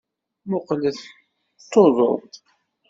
Mmuqqlet! D tuḍut!